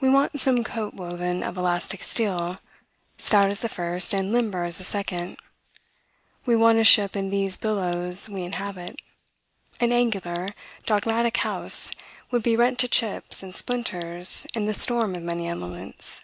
We want some coat woven of elastic steel, stout as the first, and limber as the second. We want a ship in these billows we inhabit. An angular, dogmatic house would be rent to chips and splinters, in this storm of many elements.